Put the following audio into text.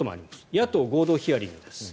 野党合同ヒアリングです。